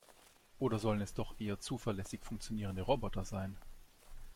Oder sollen es doch eher zuverlässig funktionierende Roboter sein?